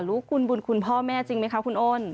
ลูกคุณบุญคุณพ่อแม่จริงไหมคะคุณอ้น